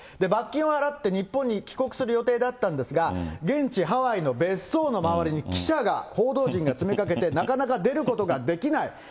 罰金を払って日本に帰国する予定だったんですが、現地ハワイの別荘の周りに記者が、報道陣が詰めかけて、なかなか出ることができない。